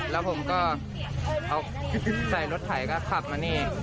แล้วผมก็เอาใส่รถไถก็ขับมานี่